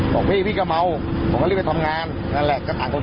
บอกพี่พี่ก็เมาผมก็รีบไปทำงานนั่นแหละก็ต่างคน